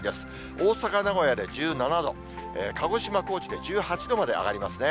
大阪、名古屋で１７度、鹿児島、高知で１８度まで上がりますね。